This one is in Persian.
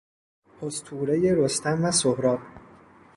اسطورهی رستم و سهراب